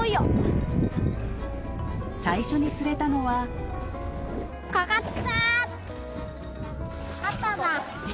最初に釣れたのはかかったー！